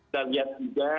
dan lihat juga